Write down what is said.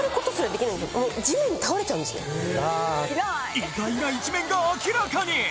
意外な一面が明らかに！